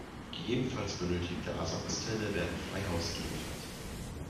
Gegebenenfalls benötigte Ersatzteile werden frei Haus geliefert.